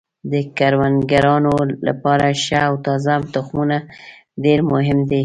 د کروندګرانو لپاره ښه او تازه تخمونه ډیر مهم دي.